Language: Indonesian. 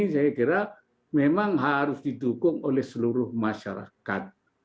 saya kira memang harus didukung oleh seluruh masyarakat